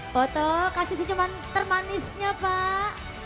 foto kasih sih cuman termanisnya pak